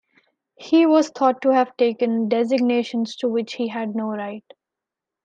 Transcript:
He was thought to have taken designations to which he had no right.